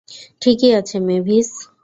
ঠিক আছে, মেভিস!